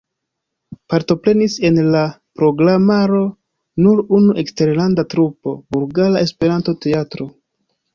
Partoprenis en la programaro nur unu eksterlanda trupo: Bulgara Esperanto-Teatro.